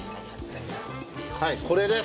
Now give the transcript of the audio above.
はいこれです。